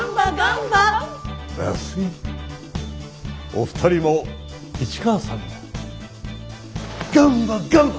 お二人も市川さんもガンバガンバ！